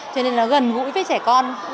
cho nên nó gần gũi với trẻ con